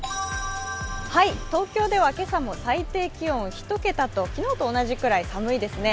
東京では今朝も最低気温１桁と、昨日と同じくらい寒いですね。